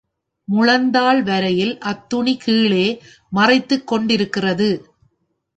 முழந்தாள் வரையில் அத்துணி கீழே மறைத்துக்கொண்டிருக்கிறது.